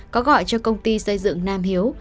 có gọi cho công ty xây dựng nam hiếu